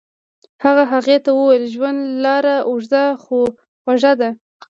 هغه هغې ته وویل ژوند لاره اوږده خو خوږه ده.